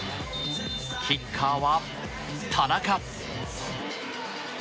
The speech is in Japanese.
キッカーは、田中。